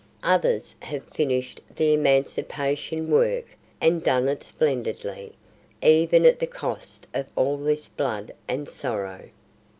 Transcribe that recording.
Others have finished the emancipation work and done it splendidly, even at the cost of all this blood and sorrow.